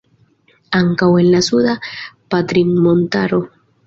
Ankaŭ en la Suda Patrinmontaro.